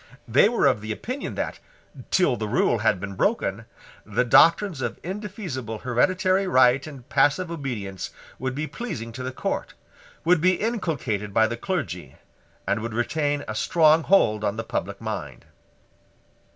They were of opinion that, till that rule had been broken, the doctrines of indefeasible hereditary right and passive obedience would be pleasing to the court, would be inculcated by the clergy, and would retain a strong hold on the public mind.